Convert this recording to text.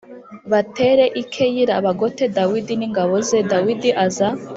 batere i Keyila bagote Dawidi n ingabo ze Dawidi aza